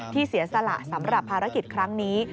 เสียสละสำหรับภารกิจครั้งนี้